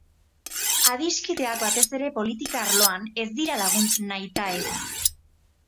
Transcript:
Adiskideak, batez ere politika arloan, ez dira lagun nahitaez.